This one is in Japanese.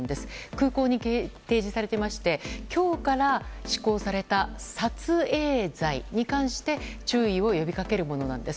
空港に掲示されていまして今日から施行された撮影罪に関して注意を呼びかけるものなんです。